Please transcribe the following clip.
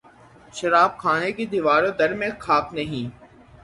شراب خانہ کے دیوار و در میں خاک نہیں